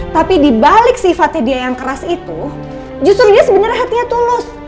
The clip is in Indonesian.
tapi dibalik sifatnya dia yang keras itu justru dia sebenarnya hatinya tulus